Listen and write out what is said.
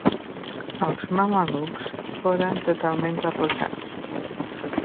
Els mamelucs foren totalment derrotats.